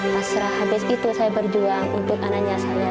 pas habis itu saya berjuang untuk anaknya saya